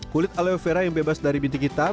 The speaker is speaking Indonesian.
kulit aloe vera yang bebas dari bintik hitam